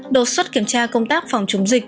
đột xuất kiểm tra công tác phòng chống dịch